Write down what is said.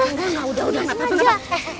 enggak gak udah gak apa apa